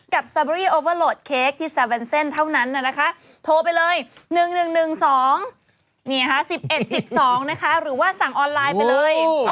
สตอเบอรี่โอเวอร์โหลดเค้กที่ซาเวนเซ่นเท่านั้นนะคะโทรไปเลย๑๑๑๑๒๑๑๑๒นะคะหรือว่าสั่งออนไลน์ไปเลย